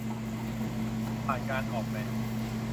ผ่านการออกแบบ